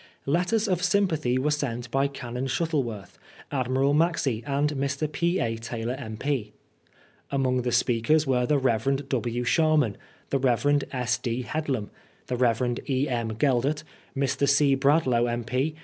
Letters of sympathy were sent by Canon Shut tleworth. Admiral Maxse and Mr. P. A. Taylor M.P., Among the speakers were the Rev. W. Sharman, the Rev. S. D. Headlam, the Rev. E. M. Geldart, Mr. C. Bradlaugh M.P.